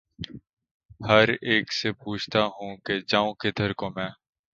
ہر اک سے پوچھتا ہوں کہ ’’ جاؤں کدھر کو میں